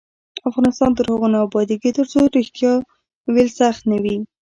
افغانستان تر هغو نه ابادیږي، ترڅو ریښتیا ویل سخت نه وي.